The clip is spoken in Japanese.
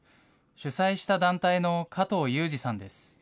主催した団体の加藤悠二さんです。